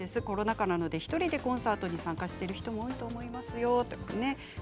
コロナ禍なので１人でのコンサートに参加している人も多いと思いますよ、ということです。